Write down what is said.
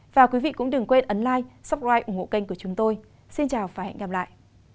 và quý vị cũng đừng quên ấn lai supprite ủng hộ kênh của chúng tôi xin chào và hẹn gặp lại